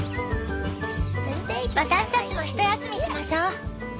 私たちもひと休みしましょ。